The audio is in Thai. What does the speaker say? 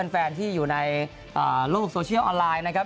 แฟนที่อยู่ในโลกโซเชียลออนไลน์นะครับ